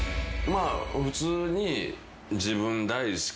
普通に。